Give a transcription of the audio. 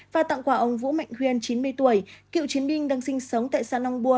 và tặng quà ông vũ mạnh huyền chín mươi tuổi cựu chiến binh đang sinh sống tại xã nong bua